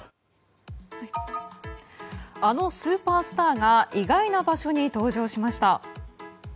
あのスーパースターが意外な場所に登場しました。